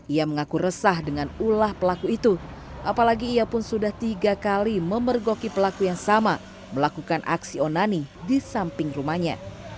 ia mengaku resah dengan ulah pelaku itu apalagi ia pun sudah tiga kali memergoki pelaku yang sama melakukan aksi onani di samping rumahnya